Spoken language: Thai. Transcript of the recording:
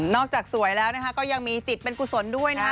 จากสวยแล้วนะคะก็ยังมีจิตเป็นกุศลด้วยนะคะ